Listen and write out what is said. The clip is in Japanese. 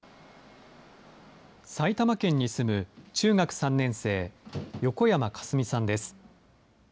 埼玉県に住む中学３年生、横山佳純さんです。